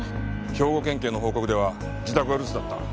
兵庫県警の報告では自宅は留守だった。